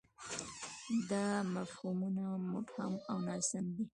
دا مفهومونه مبهم او ناسم دي.